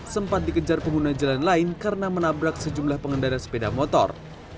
sempat dikejar pengguna jalan lain karena menabrak sejumlah pengendara sepeda motor